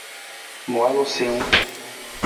Ma walu siwung.